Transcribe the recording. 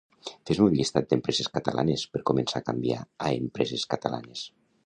Fes-me un llistat d'empreses catalanes per començar a canviar a empreses catalanes